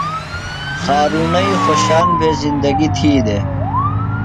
خارُݨئی خوشان بھےۡ زندگیۡ تھی دےۡ۔